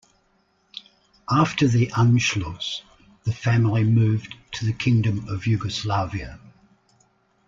After the "Anschluss", the family moved to the Kingdom of Yugoslavia.